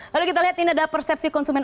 lalu kita lihat ini adalah persepsi konsumen